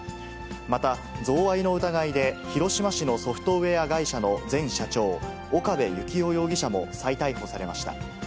また、贈賄の疑いで広島市のソフトウエア会社の前社長、岡部幸夫容疑者も再逮捕されました。